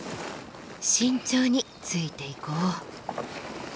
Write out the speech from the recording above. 慎重についていこう。